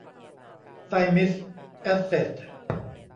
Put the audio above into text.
ไซมิส แอสเสท